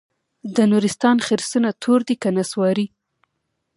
د نورستان خرسونه تور دي که نسواري؟